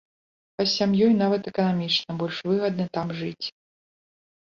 А з сям'ёй нават эканамічна больш выгадна там жыць.